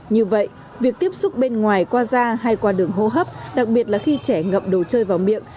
như vậy việc tiếp xúc bên ngoài qua da hay qua đường hô hấp đặc biệt là khi trẻ ngậm đồ chơi vào miệng